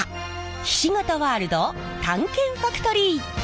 ひし形ワールドを探検ファクトリー！